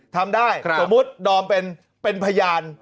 ทำได้สมมุติดอมเป็นพยาน